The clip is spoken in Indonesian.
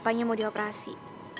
bapaknya mau dioperasi